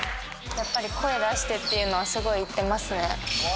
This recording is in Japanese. やっぱり声出してっていうのは、すごい言ってますね。